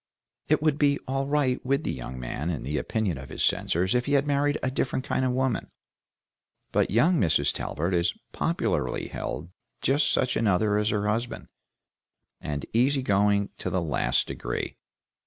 It would be all right with the young man in the opinion of his censors if he had married a different kind of woman, but young Mrs. Talbert is popularly held just such another as her husband, and easy going to the last degree.